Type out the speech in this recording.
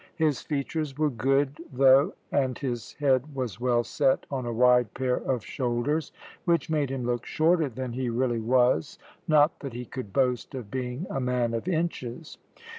His features were good, though, and his head was well set on a wide pair of shoulders, which made him look shorter than he really was, not that he could boast of being a man of inches.